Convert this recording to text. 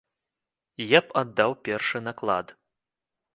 Я б аддаў першы наклад.